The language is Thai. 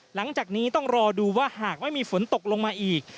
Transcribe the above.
หลังจากนี้ต้องรอดูว่าหากไม่มีฝนตกลงมาอีก